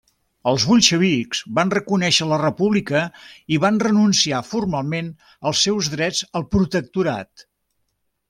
Els bolxevics van reconèixer la república i van renunciar formalment als seus drets al protectorat.